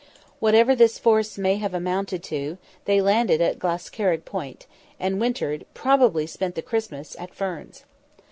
Whatever this force may have amounted to, they landed at Glascarrig point, and wintered—probably spent the Christmas—at Ferns.